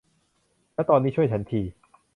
และตอนนี้ช่วยฉันที